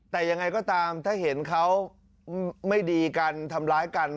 แต่ยังไงก็ตามถ้าเห็นเขาไม่ดีกันทำร้ายกัน